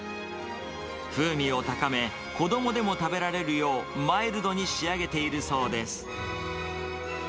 風味を高め、子どもでも食べられるようマイルドに仕上げているそうです。